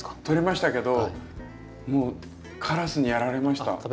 とれましたけどもうカラスにやられました。